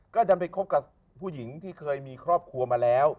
ก็ดันไปคบกับผู้หญิงที่เคยมีครอบครัวมาแล้ว